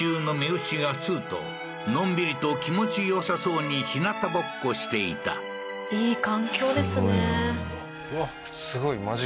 のんびりと気持ちよさそうにひなたぼっこしていたいい環境ですね